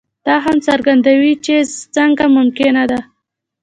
دا هم څرګندوي چې څنګه ممکنه ده.